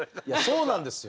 そうなんですよ。